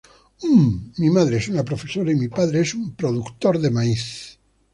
Umm, mi madre es una profesora y mi padre es un productor de maíz.